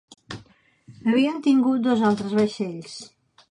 Havien tingut dos altres vaixells.